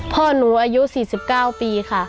พ่อหนูอายุ๔๙ปีค่ะ